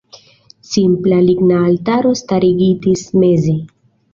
Simpla ligna altaro starigitis meze.